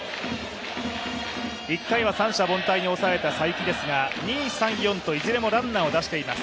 １回は三者凡退に抑えた才木ですが２、３、４といずれもランナーを出しています。